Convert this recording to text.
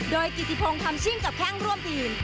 โดยกิจิโภงทำชิ้นกับแค่งร่วมทีม